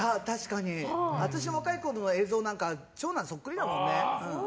私、若いころの映像は長男そっくりだもんね。